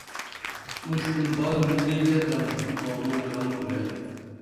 مُشکُل بالہ ملی کیہ کرم تو تانوں کرم کُرے